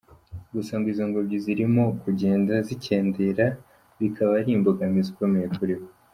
Gusa ngo izi ngombyi zirimo kugenda zikendera bikaba ari imbogamizi ikomeye kuribo.